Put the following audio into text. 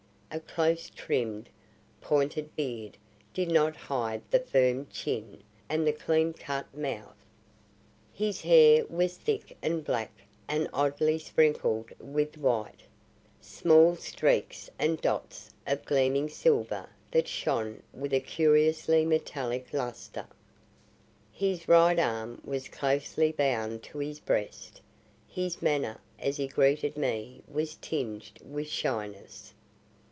A close trimmed, pointed beard did not hide the firm chin and the clean cut mouth. His hair was thick and black and oddly sprinkled with white; small streaks and dots of gleaming silver that shone with a curiously metallic luster. His right arm was closely bound to his breast. His manner as he greeted me was tinged with shyness.